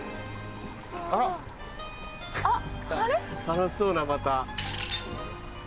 楽しそうなまた。